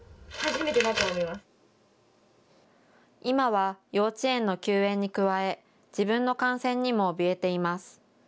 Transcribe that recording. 今は幼稚園の休園に加え自分の感染にもおびえています。